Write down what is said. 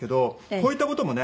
こういった事もね